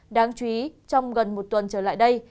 đáng chú ý trong gần một tuần trở lại đây